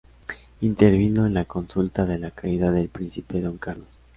Intervino en la consulta de la caída del príncipe don Carlos.